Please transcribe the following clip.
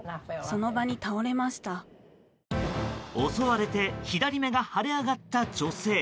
襲われて左目が腫れ上がった女性。